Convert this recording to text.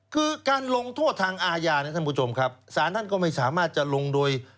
คือการลงโทษทางอาญานะท่านผู้ชมครับสารท่านก็ไม่สามารถจะลงโดย